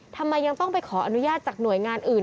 ทำไมยังต้องไปขออนุญาตจากหน่วยงานอื่น